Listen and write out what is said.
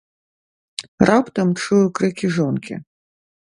Раптам чую крыкі жонкі.